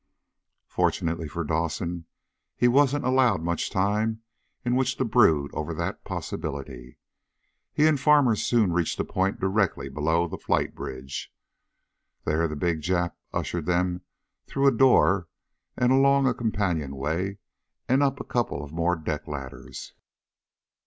Fortunately for Dawson, he wasn't allowed much time in which to brood over that possibility. He and Farmer soon reached a point directly below the flight bridge. There the big Jap ushered them through a door and along a companionway, and up a couple of more deck ladders.